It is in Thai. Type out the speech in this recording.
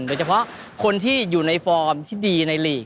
โดยเฉพาะคนที่อยู่ในฟอร์มที่ดีในลีก